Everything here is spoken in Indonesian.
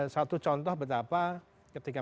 satu contoh betapa ketika